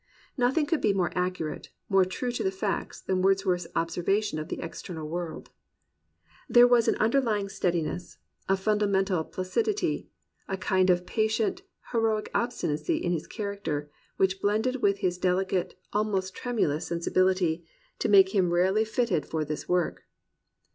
Nothing could be more accurate, more true to the facts than Wordsworth's observation of the external world. There was an underlying steadi ness, a fundamental placidity, a kind of patient, heroic obstinacy in his character, which blended with his delicate, almost tremulous sensibility, to 206 THE RECOVERY OF JOY make him rarely fitted for this work.